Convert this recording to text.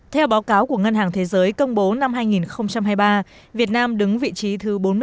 theo báo cáo của ngân hàng thế giới công bố năm hai nghìn hai mươi ba việt nam đứng vị trí thứ bốn mươi